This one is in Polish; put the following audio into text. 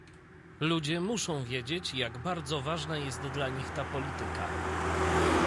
Ludzie muszą wiedzieć, jak bardzo ważna jest dla nich ta polityka